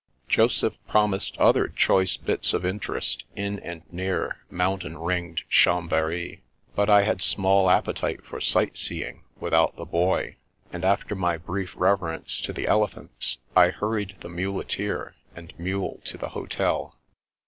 Joseph promised other choice bits of interest in and near mountain ringed Chambery; but I had small appetite for sightseeing without the Boy, and after my brief reverence to the elephants, I hurried the muleteer and mule to the hotel.